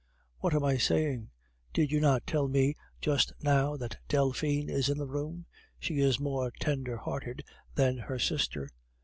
... What am I saying? Did you not tell me just now that Delphine is in the room? She is more tender hearted than her sister....